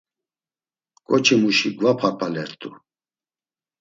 Ǩoçimuşi gvaparpalert̆u.